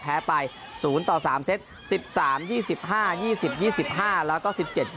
แพ้ไป๐ต่อ๓เซต๑๓๒๕๒๐๒๕แล้วก็๑๗๒